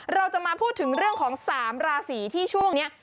เราจะมาพูดถึงเรื่องของ๓ราศีที่ช่วงนี้